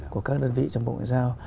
của các đơn vị trong bộ ngoại giao